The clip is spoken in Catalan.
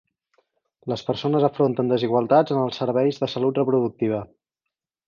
Les persones afronten desigualtats en els serveis de salut reproductiva.